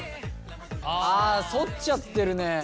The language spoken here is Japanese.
あ反っちゃってるね。